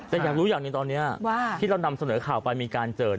แต่อยากรู้อย่างหนึ่งตอนนี้ที่เรานำเสนอข่าวไปมีการเจอ